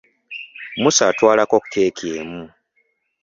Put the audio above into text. Musa atwalako keeki emu.